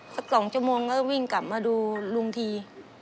สัก๒ชั่วโมงก็วิ่งกลับมาดูลุงที